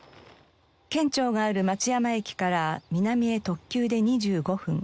県庁がある松山駅から南へ特急で２５分。